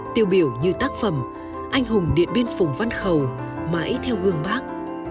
tiêu biểu như tác phẩm anh hùng điện biên phùng văn khầu mãi theo gương bác